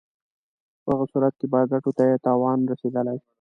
په هغه صورت کې به ګټو ته یې تاوان رسېدلی.